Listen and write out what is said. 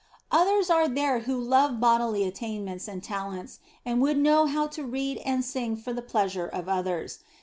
Others are there who love bodily attainments and talents, and would know how to read and sing for the pleasure of others.